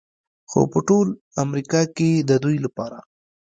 خو په ټول امریکا کې د دوی لپاره